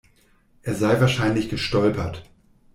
Er sei wahrscheinlich gestolpert.